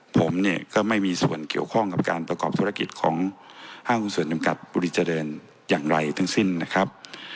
ผมเนี่ยก็ไม่มีส่วนเกี่ยวข้องกับการประกอบธุรกิจของห้างหุ้นส่วนจำกัดบุรีเจริญอย่างไรทั้งสิ้นนะครับ